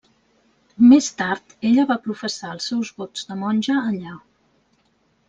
Més tard, ella va professar els seus vots de monja allà.